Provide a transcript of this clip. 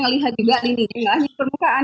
ngelihat juga ini ini permukaan